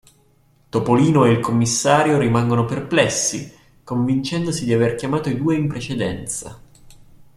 Topolino e il Commissario rimangono perplessi, convincendosi di aver chiamato i due in precedenza.